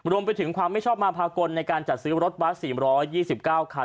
รวมไปถึงความไม่ชอบมาพากลในการจัดซื้อรถบัส๔๒๙คัน